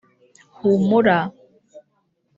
humura